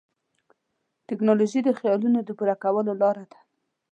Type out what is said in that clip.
ټیکنالوژي د خیالونو د پوره کولو لاره ده.